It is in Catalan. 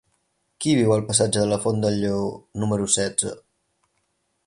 Qui viu al passatge de la Font del Lleó número setze?